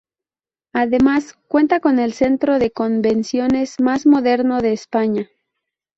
Además, cuenta con el centro de convenciones más moderno de España.